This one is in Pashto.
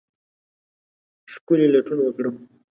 ښکلې لټون وکرم